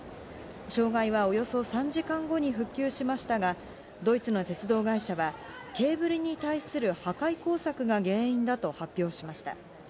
障害はおよそ３時間後に復旧しましたが、ドイツの鉄道会社は、ケーブルに対する破壊工作が原因だと発表しました。